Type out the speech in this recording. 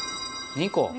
２個。